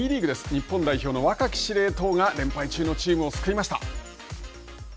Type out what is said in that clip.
日本代表の若き司令塔が連敗中のチームを救いました。